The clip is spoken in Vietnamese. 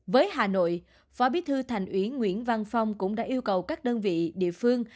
với hà nội phó bí thư thành ủy nguyễn văn phong cũng đã yêu cầu các đơn vị địa phương